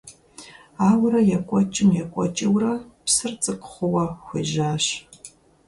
Ауэрэ екӀуэкӀым - екӀуэкӀыурэ, псыр цӀыкӀу хъууэ хуежьащ.